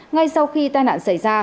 ngay sau khi tai nạn xảy ra